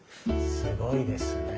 すごいですね。